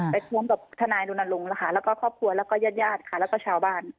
ไปควบคุมกับทนายดุนลงแล้วก็ครอบครัวแล้วก็ญาติค่ะแล้วก็ชาวบ้าน